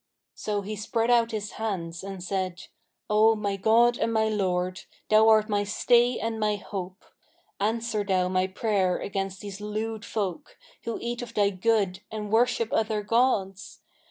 So he spread out his hands and said, 'O my God and my Lord, Thou art my stay and my hope; answer Thou my prayer against these lewd folk, who eat of Thy good and worship other gods.